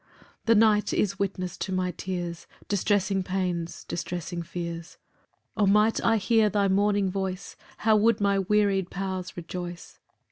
8 The night is witness to my tears, Distressing pains, distressing fears; O might I hear thy morning voice, How would my weary'd powers rejoice!